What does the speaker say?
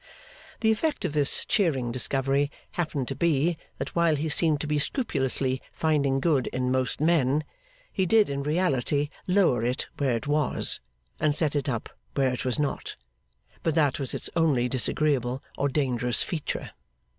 The effect of this cheering discovery happened to be, that while he seemed to be scrupulously finding good in most men, he did in reality lower it where it was, and set it up where it was not; but that was its only disagreeable or dangerous feature.